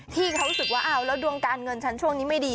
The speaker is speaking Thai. ที่เขารู้สึกว่าดวงการเงินชั้นช่วงนี้ไม่ดี